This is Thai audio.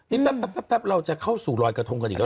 นี่แป๊บเราจะเข้าสู่รอยกระทงกันอีกแล้ว